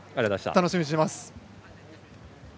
楽しみにしてます。